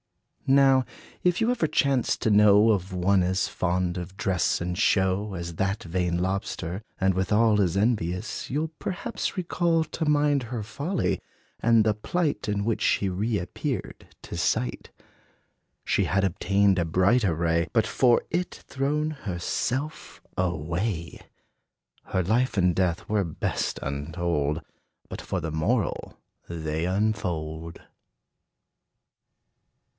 Now, if you ever chance to know Of one as fond of dress and show As that vain lobster, and withal As envious, you 'll perhaps recall To mind her folly, and the plight In which she reappeared to sight. She had obtained a bright array, But for it, thrown herself away! Her life and death were best untold, But for the moral they unfold!